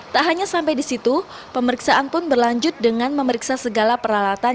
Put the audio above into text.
tak hanya sampai di situ pemeriksaan pun berlanjut dengan memeriksa segala peralatan